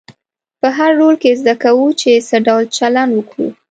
په هر رول کې زده کوو چې څه ډول چلند وکړو.